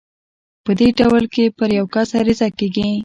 په دې ډول کې پر يو کس عريضه کېږي.